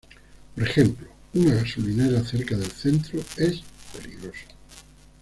Por ejemplo, una gasolinera cerca del centro es peligroso.